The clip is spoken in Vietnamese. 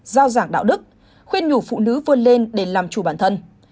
giao giảng đạo đức khuyên nhủ phụ nữ vươn lên để làm chủ bản thân